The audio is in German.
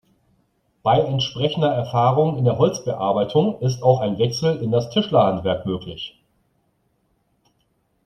Bei entsprechender Erfahrung in der Holzbearbeitung ist auch ein Wechsel in das Tischler-Handwerk möglich.